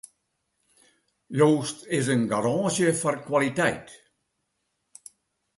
Joost is in garânsje foar kwaliteit.